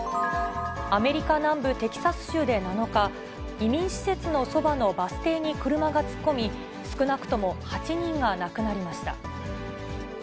アメリカ南部テキサス州で７日、移民施設のそばのバス停に車が突っ込み、少なくとも８人が亡くなりました。